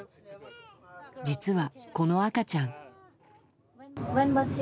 実はこの赤ちゃん。